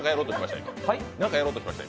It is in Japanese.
何かやろうとした？